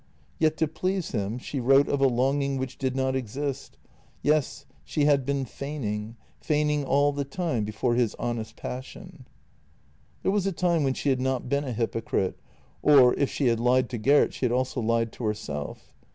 Yet, to please him, she wrote of a long ing which did not exist — yes, she had been feigning, feigning all the time before his honest passion. There was a time when she had not been a hypocrite, or if she had lied to Gert she had also lied to herself.